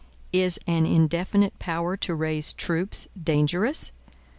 Is an indefinite power to raise troops dangerous?